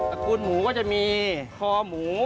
ระกูลหมูก็จะมีคอหมู